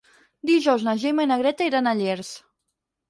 Dijous na Gemma i na Greta iran a Llers.